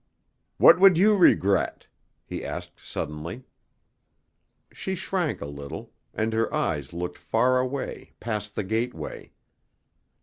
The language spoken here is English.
"What would you regret?" he asked suddenly. She shrank a little, and her eyes looked far away, past the gateway.